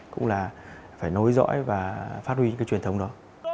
cũng là phải nối dõi và phát huy những cái truyền thống đó